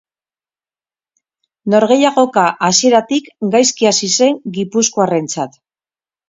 Norgehiagoka hasieratik gaizki hasi zen gipuzkoarrentzat.